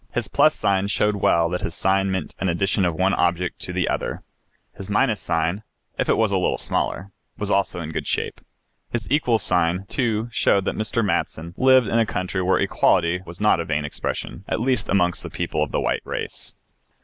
His + showed well that this sign meant an addition of one object to the other, his , if it was a little smaller, was also in good shape. His =, too, showed that Mr. Maston lived in a country where equality was not a vain expression, at least amongst the people of the white race.